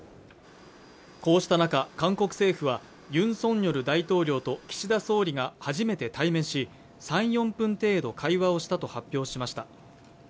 こうした中、韓国政府はユン・ソンニョル大統領と岸田総理が初めて対面し３４分程度会話をしたと発表しました